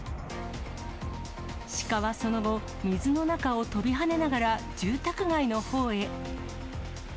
シカはその後、水の中を跳びはねながら、住宅街のほうへ。